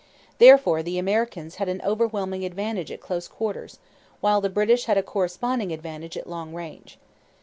Therefore the Americans had an overwhelming advantage at close quarters, while the British had a corresponding advantage at long range.